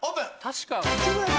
確か。